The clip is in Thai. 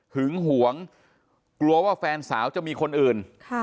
หึงหวงกลัวว่าแฟนสาวจะมีคนอื่น